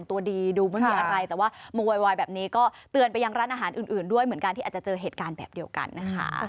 แต่ว่ามงวายแบบนี้ก็เตือนไปทางร้านอาหารอื่นด้วยที่มันก็จะเจอเหตุการณ์เหมือนกันนะคะ